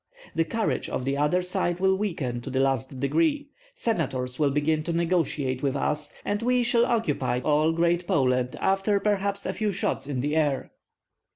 "The courage of the other side will weaken to the last degree, senators will begin to negotiate with us, and we shall occupy all Great Poland after perhaps a few shots in the air."